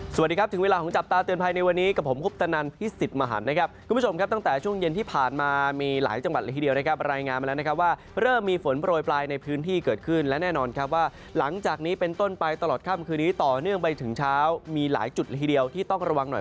สวัสดีครับถึงเวลาของจับตาเตือนภัยในวันนี้กับผมคุปตนันพิสิทธิ์มหันนะครับคุณผู้ชมครับตั้งแต่ช่วงเย็นที่ผ่านมามีหลายจังหวัดละทีเดียวนะครับรายงานมาแล้วนะครับว่าเริ่มมีฝนโปรยปลายในพื้นที่เกิดขึ้นและแน่นอนครับว่าหลังจากนี้เป็นต้นไปตลอดค่ำคืนนี้ต่อเนื่องไปถึงเช้ามีหลายจุดละทีเดียวที่ต้องระวังหน่อย